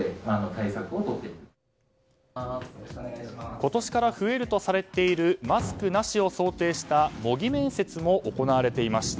今年から増えるとされているマスクなしを想定した模擬面接も行われていました。